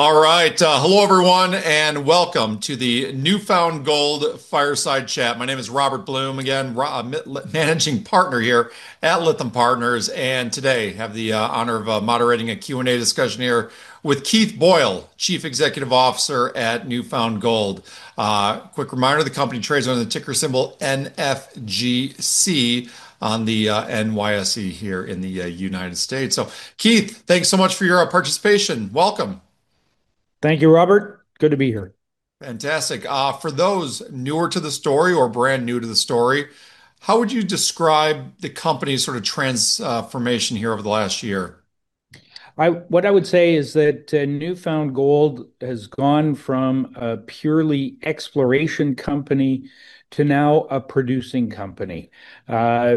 All right. Hello everyone, and welcome to the New Found Gold fireside chat. My name is Robert Blum. Again, managing partner here at Lytham Partners, and today have the honor of moderating a Q&A discussion here with Keith Boyle, Chief Executive Officer at New Found Gold. Quick reminder, the company trades under the ticker symbol NFGC on the NYSE here in the United States. Keith, thanks so much for your participation. Welcome. Thank you, Robert. Good to be here. Fantastic. For those newer to the story or brand new to the story, how would you describe the company's sort of transformation here over the last year? What I would say is that, New Found Gold has gone from a purely exploration company to now a producing company.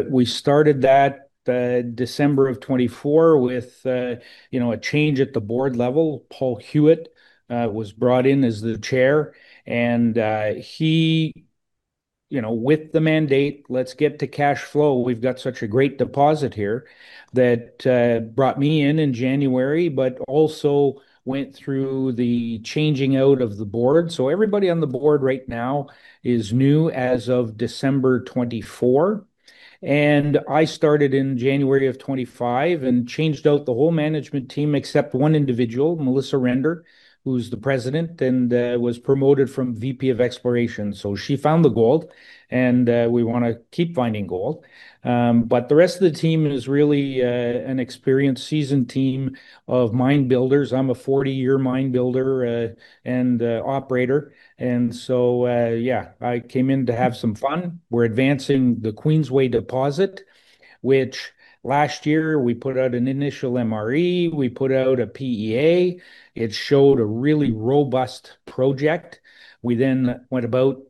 We started that, December of 2024 with, you know, a change at the board level. Paul Huet was brought in as the Chair and, he, you know, with the mandate, let's get to cash flow, we've got such a great deposit here, that, brought me in in January, but also went through the changing out of the board. Everybody on the board right now is new as of December 2024. I started in January of 2025 and changed out the whole management team except one individual, Melissa Render, who's the President and, was promoted from VP of Exploration. She found the gold, and, we wanna keep finding gold. The rest of the team is really an experienced, seasoned team of mine builders. I'm a 40-year mine builder and operator, yeah, I came in to have some fun. We're advancing the Queensway deposit, which last year we put out an initial MRE. We put out a PEA. It showed a really robust project. We went about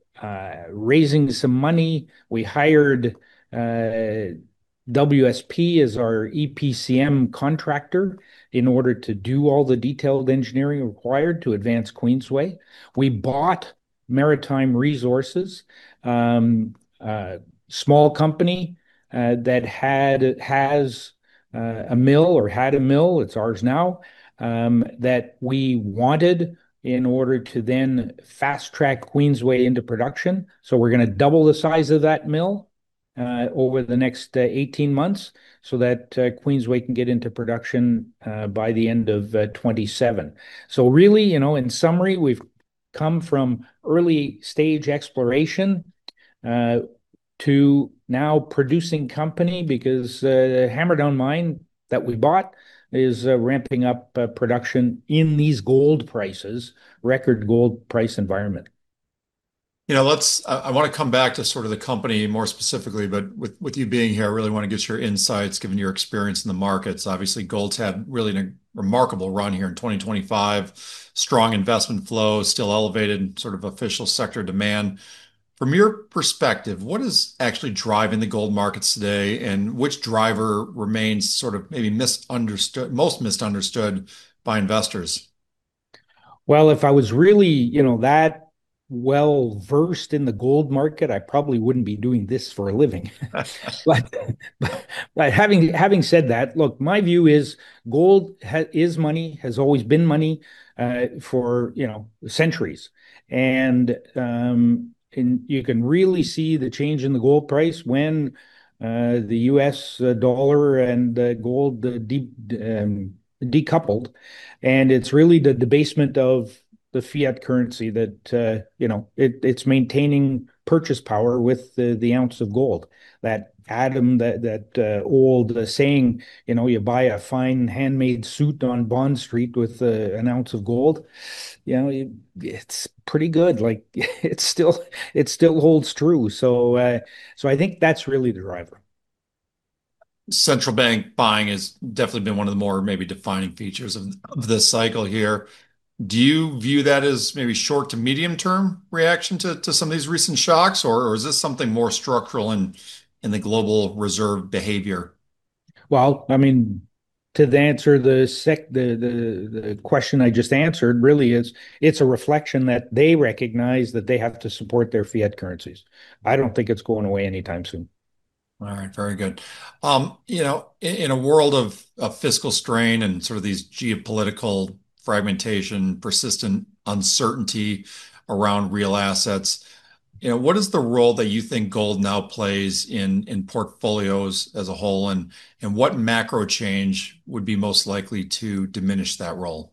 raising some money. We hired WSP as our EPCM contractor in order to do all the detailed engineering required to advance Queensway. We bought Maritime Resources, a small company that has a mill or had a mill, it's ours now, that we wanted in order to then fast-track Queensway into production. We're gonna double the size of that mill over the next 18 months so that Queensway can get into production by the end of 2027. Really, you know, in summary, we've come from early stage exploration to now producing company because Hammerdown mine that we bought is ramping up production in these gold prices, record gold price environment. You know, I wanna come back to sort of the company more specifically, but with you being here, I really wanna get your insights given your experience in the markets. Obviously, gold's had really a remarkable run here in 2025. Strong investment flow is still elevated and sort of official sector demand. From your perspective, what is actually driving the gold markets today, and which driver remains sort of maybe misunderstood, most misunderstood by investors? Well, if I was really, you know, that well-versed in the gold market, I probably wouldn't be doing this for a living. But having said that, look, my view is gold is money, has always been money, for, you know, centuries. You can really see the change in the gold price when the U.S. dollar and gold decoupled. It's really the debasement of the fiat currency that it's maintaining purchase power with the ounce of gold. That adage, that old saying, you know, you buy a fine handmade suit on Bond Street with an ounce of gold, you know, it's pretty good. Like it still holds true. I think that's really the driver. Central bank buying has definitely been one of the more maybe defining features of this cycle here. Do you view that as maybe short to medium term reaction to some of these recent shocks, or is this something more structural in the global reserve behavior? Well, I mean, to answer the question I just answered really is it's a reflection that they recognize that they have to support their fiat currencies. I don't think it's going away anytime soon. All right. Very good. You know, in a world of fiscal strain and sort of these geopolitical fragmentation, persistent uncertainty around real assets, you know, what is the role that you think gold now plays in portfolios as a whole, and what macro change would be most likely to diminish that role?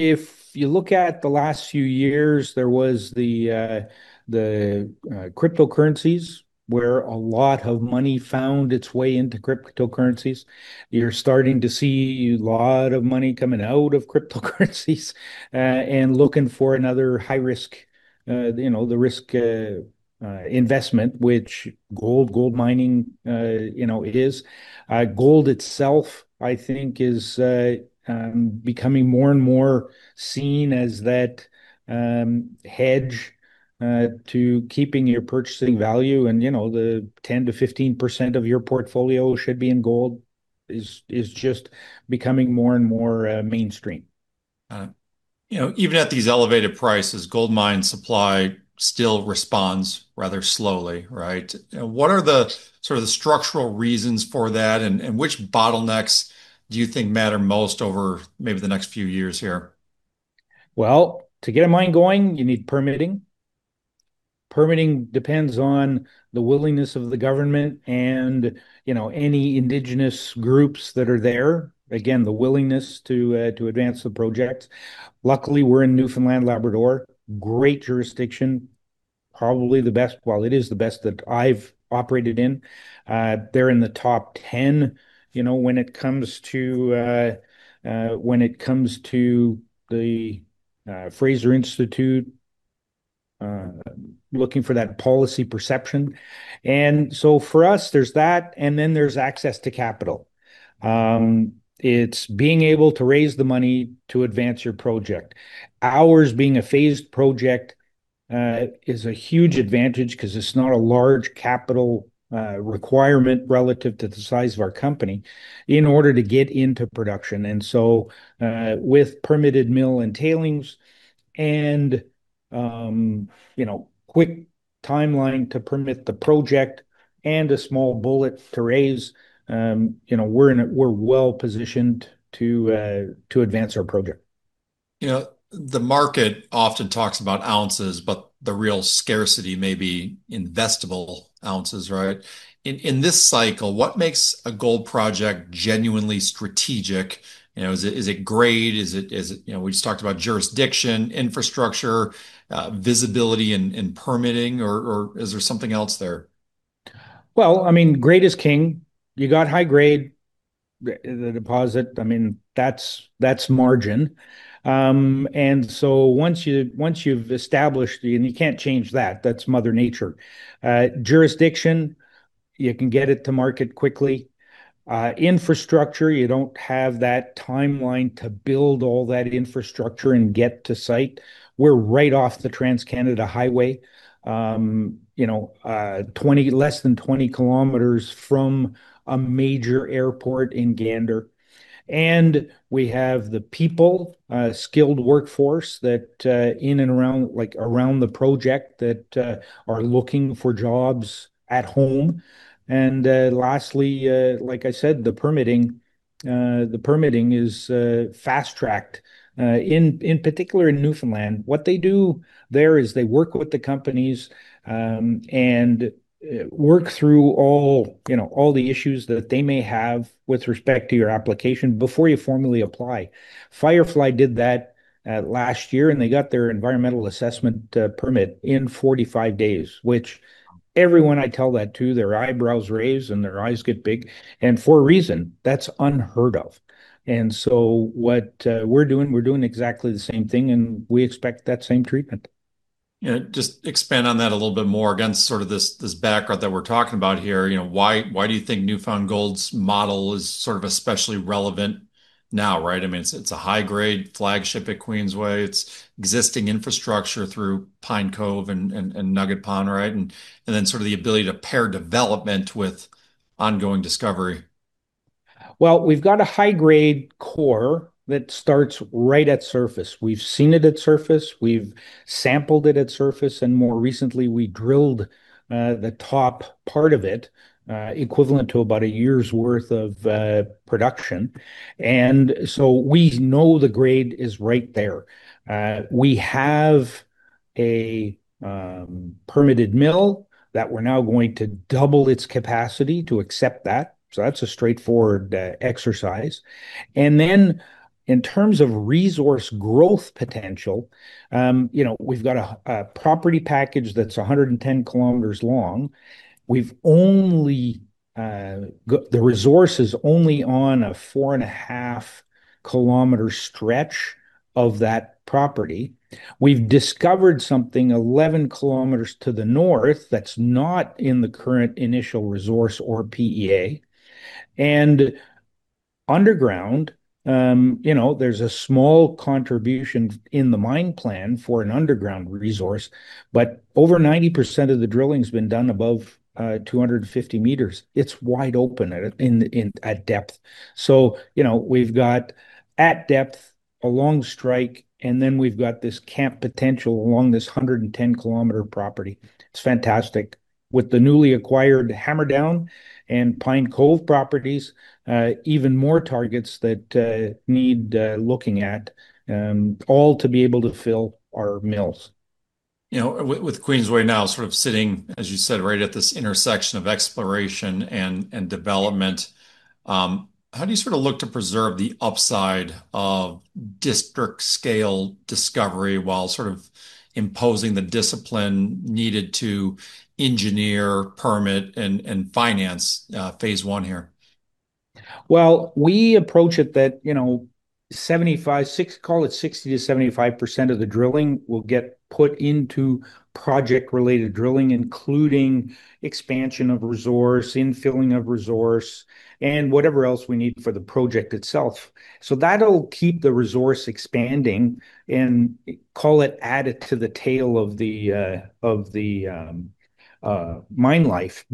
If you look at the last few years, there was the cryptocurrencies, where a lot of money found its way into cryptocurrencies. You're starting to see a lot of money coming out of cryptocurrencies and looking for another high risk, you know, the risk investment, which gold mining you know is. Gold itself, I think, is becoming more and more seen as that hedge to keeping your purchasing value and, you know, the 10%-15% of your portfolio should be in gold is just becoming more and more mainstream. You know, even at these elevated prices, gold mine supply still responds rather slowly, right? What are the sort of structural reasons for that, and which bottlenecks do you think matter most over maybe the next few years here? Well, to get a mine going, you need permitting. Permitting depends on the willingness of the government and, you know, any indigenous groups that are there. Again, the willingness to advance the project. Luckily, we're in Newfoundland, Labrador. Great jurisdiction, probably the best. Well, it is the best that I've operated in. They're in the top ten, you know, when it comes to the Fraser Institute looking for that policy perception. For us, there's that, and then there's access to capital. It's being able to raise the money to advance your project. Ours being a phased project is a huge advantage 'cause it's not a large capital requirement relative to the size of our company in order to get into production. With permitted mill and tailings and, you know, quick timeline to permit the project and a small bullet to raise, you know, we're well-positioned to advance our project. You know, the market often talks about ounces, but the real scarcity may be investable ounces, right? In this cycle, what makes a gold project genuinely strategic? You know, is it grade? You know, we just talked about jurisdiction, infrastructure, visibility and permitting, or is there something else there? Well, I mean, grade is king. You got high grade in the deposit. I mean, that's margin. Once you've established it, and you can't change that's mother nature. Jurisdiction, you can get it to market quickly. Infrastructure, you don't have that timeline to build all that infrastructure and get to site. We're right off the Trans-Canada Highway, you know, less than 20 km from a major airport in Gander. We have the people, skilled workforce that in and around, like, around the project that are looking for jobs at home. Lastly, like I said, the permitting is fast-tracked in particular in Newfoundland. What they do there is they work with the companies and work through all, you know, all the issues that they may have with respect to your application before you formally apply. Firefly did that last year, and they got their environmental assessment permit in 45 days, which everyone I tell that to, their eyebrows raise, and their eyes get big, and for a reason. That's unheard of. What we're doing, we're doing exactly the same thing, and we expect that same treatment. You know, just expand on that a little bit more against sort of this background that we're talking about here. You know, why do you think New Found Gold's model is sort of especially relevant now, right? I mean, it's a high-grade flagship at Queensway. It's existing infrastructure through Pine Cove and Nugget Pond, right? Then sort of the ability to pair development with ongoing discovery. Well, we've got a high-grade core that starts right at surface. We've seen it at surface. We've sampled it at surface, and more recently, we drilled the top part of it equivalent to about a year's worth of production. We know the grade is right there. We have a permitted mill that we're now going to double its capacity to accept that, so that's a straightforward exercise. In terms of resource growth potential, you know, we've got a property package that's 110 km long. The resource is only on a 4.5 km stretch of that property. We've discovered something 11 km to the north that's not in the current initial resource or PEA. Underground, you know, there's a small contribution in the mine plan for an underground resource, but over 90% of the drilling's been done above 250 meters. It's wide open at depth. You know, we've got at depth a long strike, and then we've got this camp potential along this 110 km property. It's fantastic. With the newly acquired Hammerdown and Pine Cove properties, even more targets that need looking at, all to be able to fill our mills. You know, with Queensway now sort of sitting, as you said, right at this intersection of exploration and development, how do you sort of look to preserve the upside of district scale discovery while sort of imposing the discipline needed to engineer, permit, and finance phase one here? Well, we approach it that, you know, call it 60%-75% of the drilling will get put into project-related drilling, including expansion of resource, infilling of resource, and whatever else we need for the project itself. That'll keep the resource expanding, and call it added to the tail of the mine life.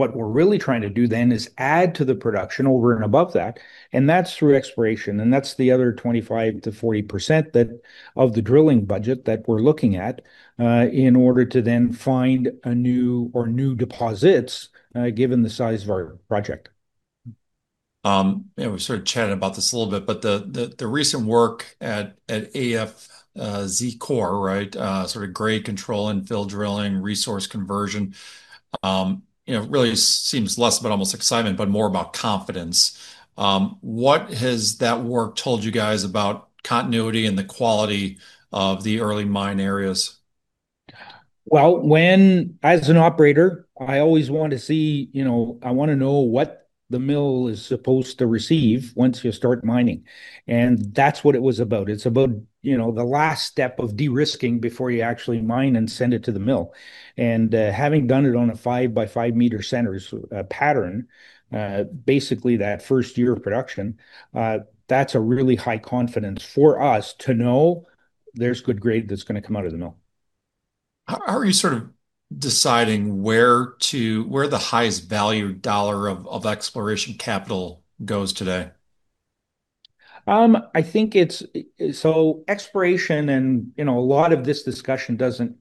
What we're really trying to do then is add to the production over and above that, and that's through exploration, and that's the other 25%-40% of the drilling budget that we're looking at in order to then find new deposits, given the size of our project. Yeah, we've sort of chatted about this a little bit, but the recent work at the AFZ, right, sort of grade control and infill drilling, resource conversion, you know, really seems less about almost excitement, but more about confidence. What has that work told you guys about continuity and the quality of the early mine areas? As an operator, I always want to see, you know, I want to know what the mill is supposed to receive once you start mining, and that's what it was about. It's about, you know, the last step of de-risking before you actually mine and send it to the mill. Having done it on a 5-by-5 meter centers pattern, basically that first year of production, that's a really high confidence for us to know there's good grade that's gonna come out of the mill. How are you sort of deciding where the highest value dollar of exploration capital goes today? Exploration and, you know, a lot of this discussion doesn't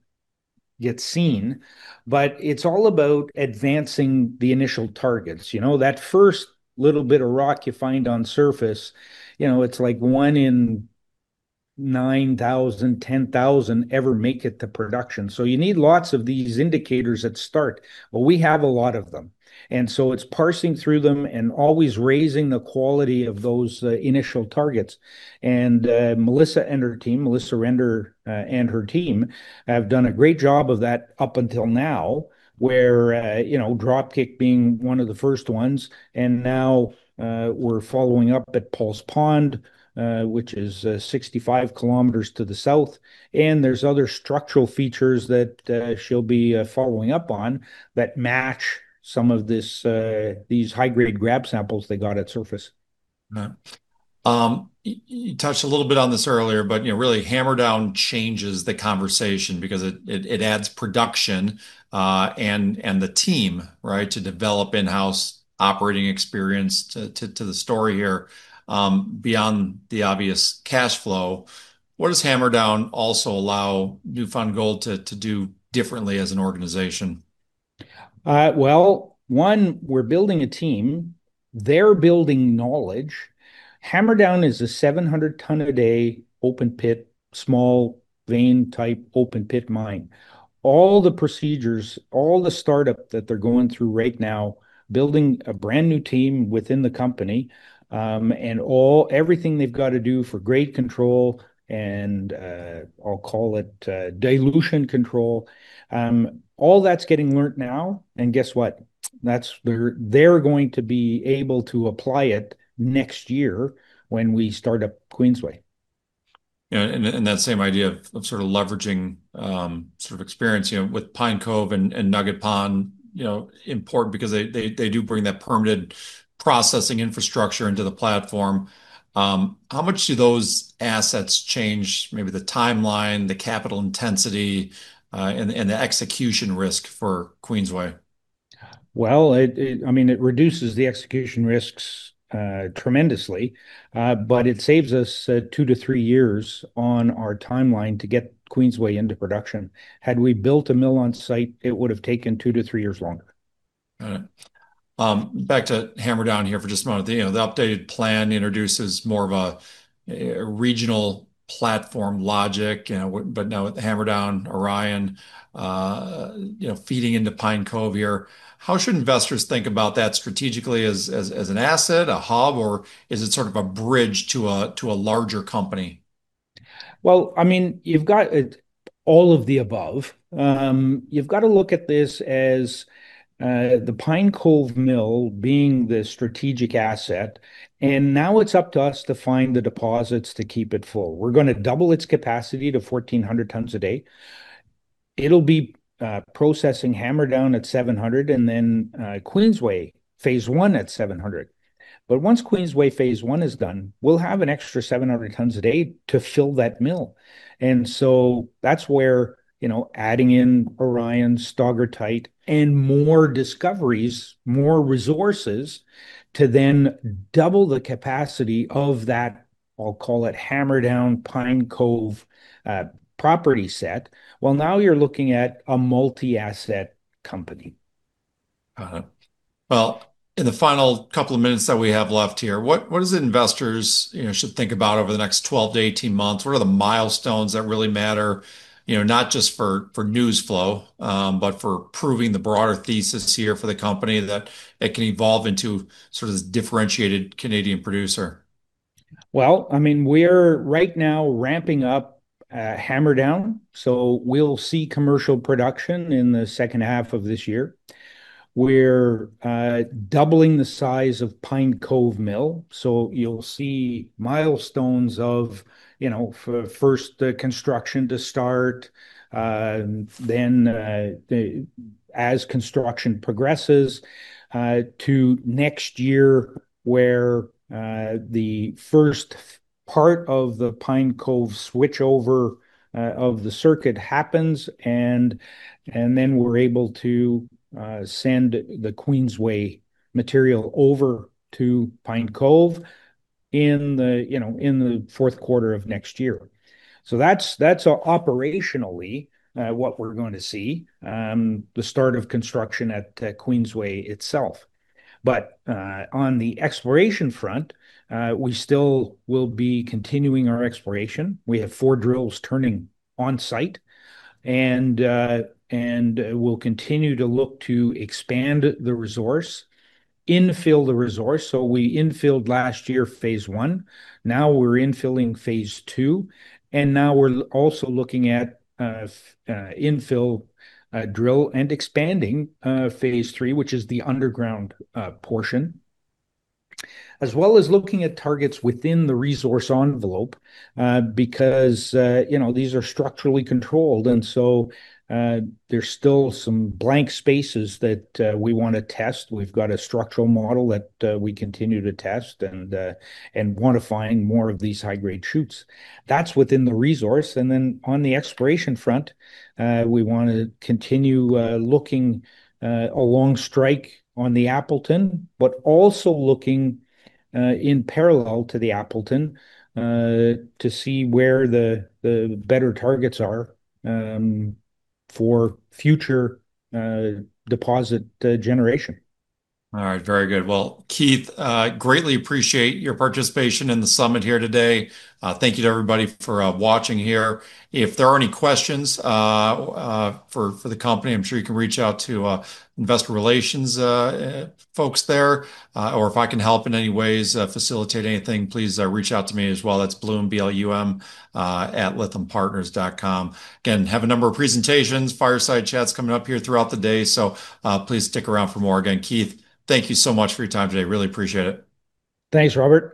get seen, but it's all about advancing the initial targets. You know, that first little bit of rock you find on surface, you know, it's like one in 9,000, 10,000 ever make it to production. You need lots of these indicators at start. Well, we have a lot of them, and so it's parsing through them and always raising the quality of those initial targets. Melissa and her team, Melissa Render, have done a great job of that up until now, where, you know, Dropkick being one of the first ones. Now, we're following up at Paul's Pond, which is 65 km to the south. There's other structural features that she'll be following up on that match some of this, these high-grade grab samples they got at surface. You touched a little bit on this earlier, you know, really Hammerdown changes the conversation because it adds production and the team, right, to develop in-house operating experience to the story here, beyond the obvious cash flow. What does Hammerdown also allow New Found Gold to do differently as an organization? Well, we're building a team. They're building knowledge. Hammerdown is a 700-ton-a-day open pit, small vein-type open pit mine. All the procedures, all the startup that they're going through right now, building a brand-new team within the company, everything they've got to do for grade control and, I'll call it, dilution control. All that's getting learned now, and guess what? That's where they're going to be able to apply it next year when we start up Queensway. Yeah. That same idea of sort of leveraging sort of experience, you know, with Pine Cove and Nugget Pond, you know, important because they do bring that permitted processing infrastructure into the platform. How much do those assets change maybe the timeline, the capital intensity, and the execution risk for Queensway? Well, I mean, it reduces the execution risks tremendously. It saves us two to three years on our timeline to get Queensway into production. Had we built a mill on site, it would have taken two to three years longer. All right. Back to Hammerdown here for just a moment. You know, the updated plan introduces more of a regional platform logic, you know. Now with Hammerdown, Orion, you know, feeding into Pine Cove here, how should investors think about that strategically as an asset, a hub, or is it sort of a bridge to a larger company? Well, I mean, you've got it all of the above. You've got to look at this as the Pine Cove mill being the strategic asset, and now it's up to us to find the deposits to keep it full. We're gonna double its capacity to 1,400 tons a day. It'll be processing Hammerdown at 700 and then Queensway Phase One at 700. But once Queensway Phase One is done, we'll have an extra 700 tons a day to fill that mill. That's where, you know, adding in Orion, Stog'er Tight, and more discoveries, more resources to then double the capacity of that, I'll call it Hammerdown, Pine Cove property set. Well, now you're looking at a multi-asset company. Well, in the final couple of minutes that we have left here, what is it investors, you know, should think about over the next 12 to 18 months? What are the milestones that really matter, you know, not just for news flow, but for proving the broader thesis here for the company that it can evolve into sort of this differentiated Canadian producer? Well, I mean, we're right now ramping up Hammerdown, so we'll see commercial production in the second half of this year. We're doubling the size of Pine Cove mill. So you'll see milestones of, you know, first, the construction to start, then as construction progresses to next year, where the first part of the Pine Cove switchover of the circuit happens, and then we're able to send the Queensway material over to Pine Cove in the, you know, in the fourth quarter of next year. So that's operationally what we're going to see, the start of construction at Queensway itself. But on the exploration front, we still will be continuing our exploration. We have four drills turning on site, and we'll continue to look to expand the resource, infill the resource. We infilled last year phase one. Now we're infilling phase two, and now we're also looking at infill drill and expanding phase three, which is the underground portion, as well as looking at targets within the resource envelope, because you know, these are structurally controlled. There's still some blank spaces that we want to test. We've got a structural model that we continue to test and want to find more of these high-grade shoots. That's within the resource, and then on the exploration front, we want to continue looking along strike on the Appleton, but also looking in parallel to the Appleton to see where the better targets are for future deposit generation. All right. Very good. Well, Keith, greatly appreciate your participation in the summit here today. Thank you to everybody for watching here. If there are any questions for the company, I'm sure you can reach out to investor relations folks there. Or if I can help in any ways facilitate anything, please reach out to me as well. That's Blum, B-L-U-M, @lythampartners.com. Again, have a number of presentations, fireside chats coming up here throughout the day, so please stick around for more. Again, Keith, thank you so much for your time today. Really appreciate it. Thanks, Robert.